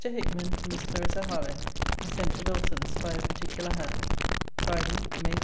HICKMAN, TO MISS CLARISSA HARLOWE [SENT TO WILSON'S BY A PARTICULAR HAND.] FRIDAY, MAY 5.